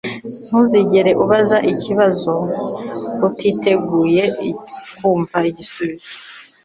Ntuzigere ubaza ikibazo niba utiteguye kumva igisubizo